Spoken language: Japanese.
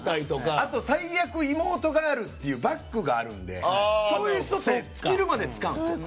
あと最悪妹がいるというバックがあるのでそういう人って使い切るまで使うんですよ。